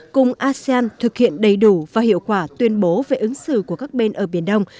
cùng asean thực hiện đầy đủ và hiệu quả tuyên bố về ứng xử của các bên ở biển đông